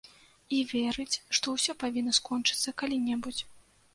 І верыць, што ўсё павінна скончыцца калі-небудзь.